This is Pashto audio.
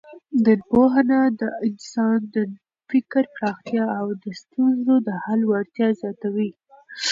ننپوهنه د انسان د فکر پراختیا او د ستونزو د حل وړتیا زیاتوي.